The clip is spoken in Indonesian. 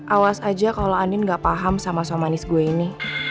awas aja kalo andin gak paham sama suami anis gue ini